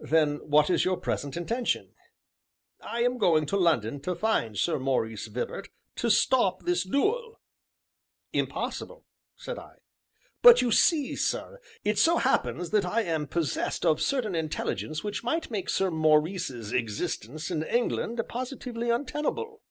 "Then what is your present intention?" "I am going to London to find Sir Maurice Vibart to stop this duel." "Impossible!" said I. "But you see, sir, it so happens that I am possessed of certain intelligence which might make Sir Maurice's existence in England positively untenable."